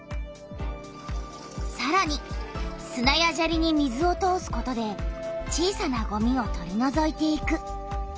さらにすなやジャリに水を通すことで小さなゴミを取りのぞいていく。